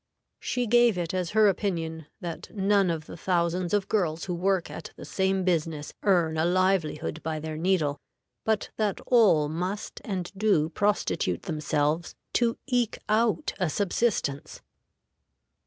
She gave it as her opinion that none of the thousands of girls who work at the same business earn a livelihood by their needle, but that all must and do prostitute themselves to eke out a subsistence.